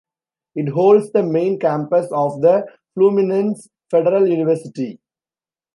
It holds the main campus of the Fluminense Federal University.